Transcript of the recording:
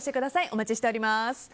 お待ちしております。